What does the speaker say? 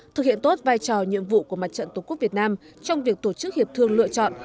thực hiện tốt vai trò nhiệm vụ của mặt trận tổ quốc việt nam trong việc tổ chức hiệp thương lựa chọn